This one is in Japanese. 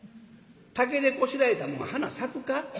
竹でこしらえたもんが花咲くか」。